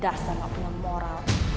dasar gak punya moral